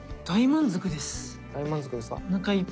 大満足ですか？